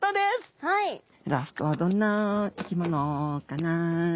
ラストはどんな生き物かな？